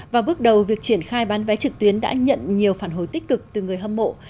và bước đầu việc triển khai bán vé trực tuyến đã nhận nhiều phản hồi tích cực từ người hâm mộ